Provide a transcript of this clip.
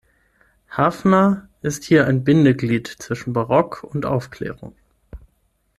Hafner ist hier ein Bindeglied zwischen Barock und Aufklärung.